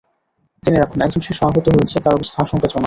জেনে রাখুন, একজন শিশু আহত হয়েছে, তার অবস্থা আশঙ্কাজনক।